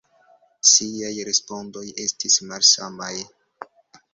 Siaj respondoj estis malsamaj.